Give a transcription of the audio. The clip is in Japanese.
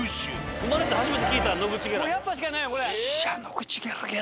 生まれて初めて聞いたノグチゲラ。